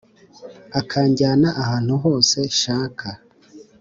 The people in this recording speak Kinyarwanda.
Akanjyana ahantu hose nshaka